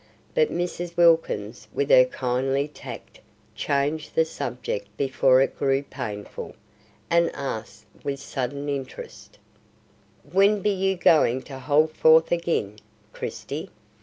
But Mrs. Wilkins with her kindly tact changed the subject before it grew painful, and asked with sudden interest: "When be you a goin' to hold forth agin, Christie?